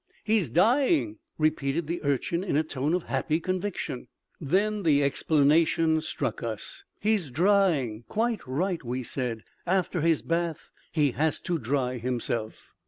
"He's dying," repeated the Urchin in a tone of happy conviction. Then the explanation struck us. "He's drying!" "Quite right," we said. "After his bath he has to dry himself."